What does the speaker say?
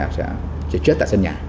sẽ chết tại sân nhà